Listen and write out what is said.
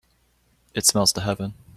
It smells to heaven